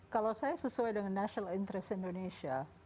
kalau saya sesuai dengan national interest indonesia